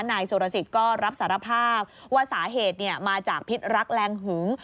นายสุรสิทธิ์ก็รับสารภาพว่าสาเหตุมาจากพิษรักแรงหึง